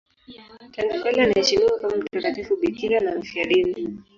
Tangu kale anaheshimiwa kama mtakatifu bikira na mfiadini.